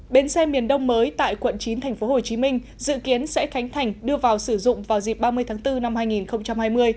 bến xe miền đông mới tại quận chín tp hcm dự kiến sẽ khánh thành đưa vào sử dụng vào dịp ba mươi tháng bốn năm hai nghìn hai mươi